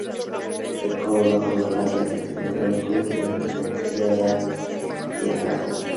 El coro bajo tiene planta rectangular y cubierta de madera apoyada en arcos diafragma.